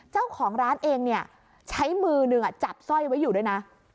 เจ้าของร้านเองเนี่ยใช้มือหนึ่งจับสร้อยไว้อยู่ด้วยนะ